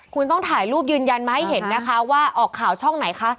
คุณต้องถ่ายรูปยืนยันมาให้เห็นนะคะว่าออกข่าวช่องไหนคะ